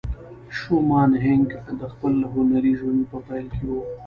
شومان هینک د خپل هنري ژوند په پیل کې وه